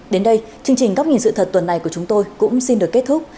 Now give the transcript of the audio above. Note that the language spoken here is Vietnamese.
đến đây chương trình góc nhìn sự thật tuần này của chúng tôi cũng xin được kết thúc